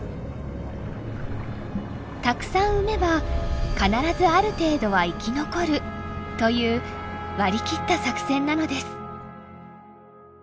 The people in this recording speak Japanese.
たくさん産めば必ずある程度は生き残るという割り切った作戦なのです。